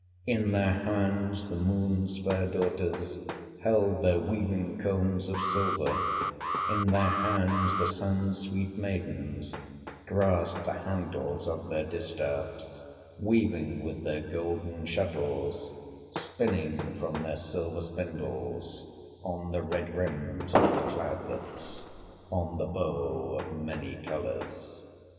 In their hands the Moon's fair daughters Held their weaving combs of silver; In their hands the Sun's sweet maidens Grasped the handles of their distaffs, Weaving with their golden shuttles, Spinning from their silver spindles, On the red rims of the cloudlets, On the bow of many colors.